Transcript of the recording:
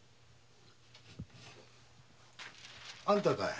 あんたかい。